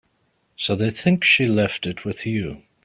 So they think she left it with you.